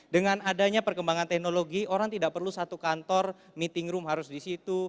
dengan adanya perkembangan teknologi orang tidak perlu satu kantor meeting room harus di situ